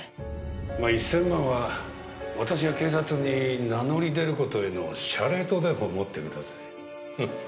ま１千万は私が警察に名乗り出る事への謝礼とでも思ってください。